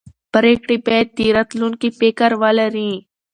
پرېکړې باید د راتلونکي فکر ولري